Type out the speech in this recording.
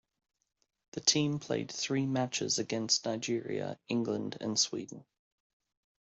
The team played three matches against Nigeria, England and Sweden.